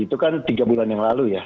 itu kan tiga bulan yang lalu ya